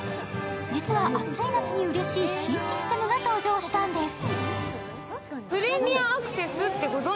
実は暑い夏にうれしい新システムが登場したんです。